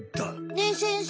ねえ先生